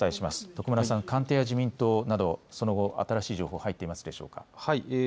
徳丸さん、官邸や自民党などその後、新しい情報入っていますでしょうか。